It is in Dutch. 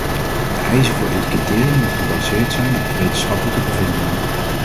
De eisen voor etikettering moeten gebaseerd zijn op wetenschappelijke bevindingen.